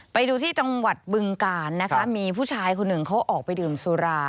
ไปดูที่จังหวัดบึงกาลนะคะมีผู้ชายคนหนึ่งเขาออกไปดื่มสุรา